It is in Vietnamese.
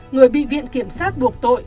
người bị viện kiểm soát buộc tội